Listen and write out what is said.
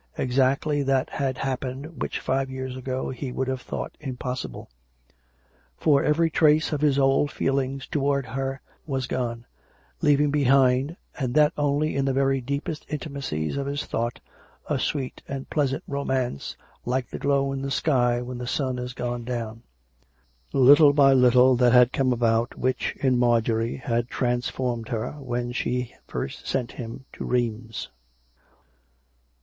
Exactly that had liap pened which five years ago he would have thought im possible; for every trace of his old feeling towards her was gone, leaving behind, and that only in the very deepest intimacies of his thought, a sweet and pleasant romance, like the glow in the sky when the sun is gone down. Little by little that had come about which, in Marjorie, had transformed her when she first sent him to Rheims.